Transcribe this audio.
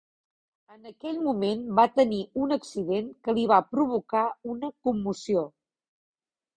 En aquell moment va tenir un accident que li va provocar una commoció.